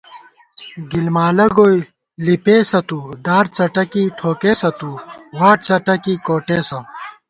گِلمالہ گوئی لِپېسہ تُو، دارڅٹَکےٹھوکېسہ تُو، واٹ څٹَکےکوٹېسہ